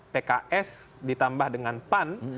pks ditambah dengan pan